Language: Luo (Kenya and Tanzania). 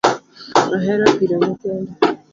Ahero piro nyithindo